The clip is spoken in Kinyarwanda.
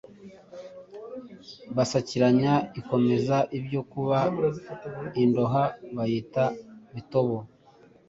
basakiranye ikomeza ibyo kuba indoha bayita bitobo.